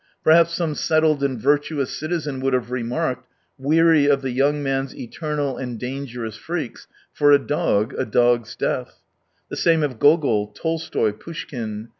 Perhaps some settled and virtuous citizen would have remarked, weary of the young man's eternal and dangerous freaks :" For a dog a dog's death." The same of Gogol, Tolstoy, Poushkin.